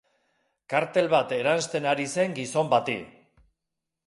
Kartel bat eransten ari zen gizon bati.